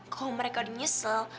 kalo mereka udah nyesel